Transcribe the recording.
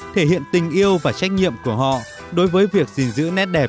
thể hiện tình yêu và trách nhiệm của họ đối với việc gìn giữ nét đẹp